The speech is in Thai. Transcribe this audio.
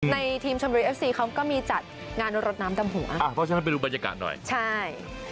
ทีมชนบุรีเอฟซีเขาก็มีจัดงานรดน้ำดำหัวอ่าเพราะฉะนั้นไปดูบรรยากาศหน่อยใช่